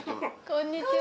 こんにちは。